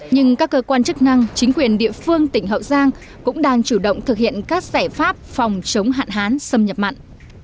nhưng các cơ quan chức năng chính quyền địa phương tỉnh hậu giang cũng đang chủ động thực hiện các giải pháp phòng chống hạn hán xâm nhập mặn